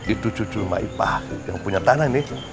itu cucu maipah yang punya tanah ini